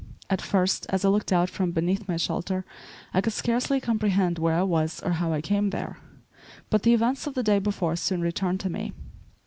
At first, as I looked out from beneath my shelter I could scarcely comprehend where I was or how I came there; but the events of the day before soon returned to me.